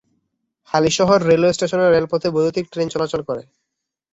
Halisahar railway স্টেশনের রেলপথে বৈদ্যুতীক ট্রেন চলাচল করে।